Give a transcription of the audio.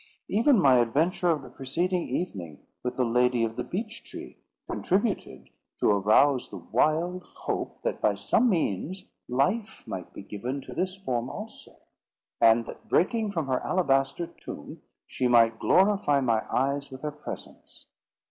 Even my adventure of the preceding evening with the lady of the beech tree contributed to arouse the wild hope, that by some means life might be given to this form also, and that, breaking from her alabaster tomb, she might glorify my eyes with her presence.